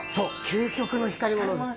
究極の光り物です。